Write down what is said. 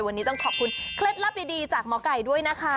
วันนี้ต้องขอบคุณเคล็ดลับดีจากหมอไก่ด้วยนะคะ